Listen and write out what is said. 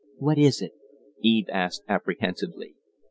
"What is it?" Eve asked, apprehensively.